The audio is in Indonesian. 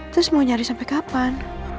terus mau nyari sampai kapan